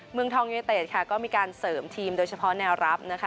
เมืองทองยูเนเต็ดค่ะก็มีการเสริมทีมโดยเฉพาะแนวรับนะคะ